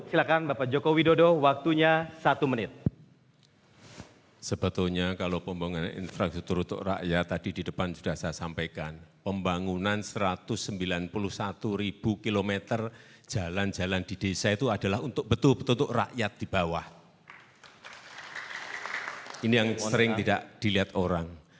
ini yang sering tidak dilihat orang